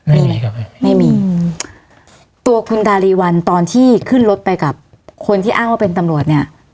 ไม่มีเลยครับไม่มีตัวคุณดารีวันตอนที่ขึ้นรถไปกับคนที่อ้างว่าเป็นตำรวจเนี่ย